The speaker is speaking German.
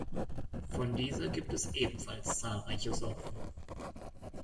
Von dieser gibt es ebenfalls zahlreiche Sorten.